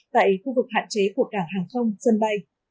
tại khu vực hạn chế của cảng hàng không sân bay